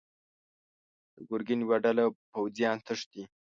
د ګرګين يوه ډله پوځيان تښتي.